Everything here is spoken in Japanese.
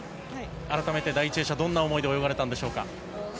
改めて、第１泳者どんな思いで泳がれたんでしょうか。